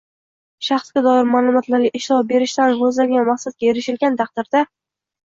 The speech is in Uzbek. shaxsga doir ma’lumotlarga ishlov berishdan ko‘zlangan maqsadga erishilgan taqdirda